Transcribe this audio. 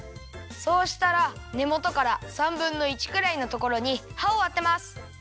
そうしたらねもとから３ぶんの１くらいのところにはをあてます！